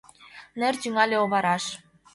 Нер тӱҥале овараш.